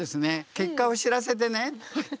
結果を知らせてね。